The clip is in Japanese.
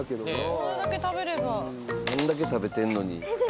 こんだけ食べてんのに。